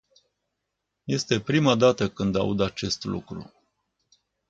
Este prima dată când aud acest lucru.